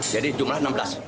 jadi jumlah enam belas